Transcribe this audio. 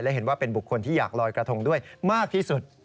และเห็นว่าเป็นบุคคลที่อยากลอยกระทงด้วยมากที่สุด